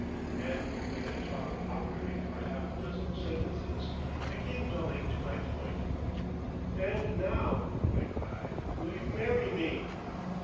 And when we had talked awkwardly for half a dozen sentences, I came dully to my point. "And now," I cried, "will you marry me?"